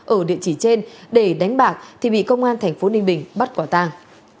ở địa chỉ trên để đánh bạc thì bị công an tp ninh bình bắt quả tang